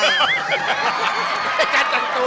ไม่กัดจัดตัว